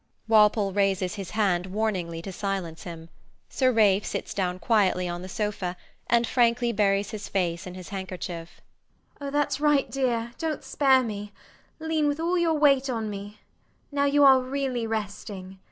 Walpole raises his hand warningly to silence him. Sir Ralph sits down quietly on the sofa and frankly buries his face in his handkerchief. MRS DUBEDAT [with great relief] Oh thats right, dear: dont spare me: lean with all your weight on me. Now you are really resting.